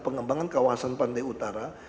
pengembangan kawasan pantai utara